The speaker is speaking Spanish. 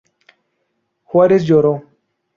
Juárez lloró.